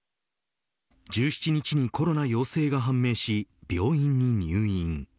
１７日にコロナ陽性が判明し病院に入院。